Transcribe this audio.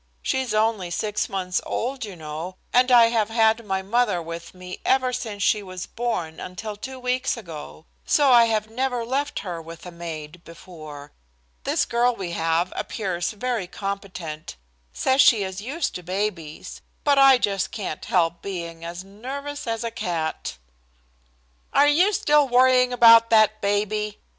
She's only six months old, you know, and, I have had my mother with me ever since she was born until two weeks ago, so I have never left her with a maid before. This girl we have appears very competent, says she is used to babies, but I just can't help being as nervous as a cat." "Are you still worrying about that baby?"